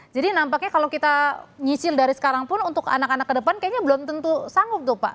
jadi nampaknya kalau kita nyisil dari sekarang pun untuk anak anak ke depan kayaknya belum tentu sanggup tuh pak